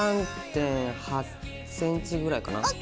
３．８ｃｍぐらいかな。